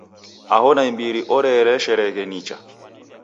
Aho naimbiri oreeleshereghe nicha.